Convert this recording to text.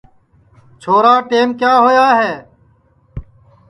چھورا ٹیم کیا ہوا ہے